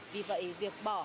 vì vậy việc bỏ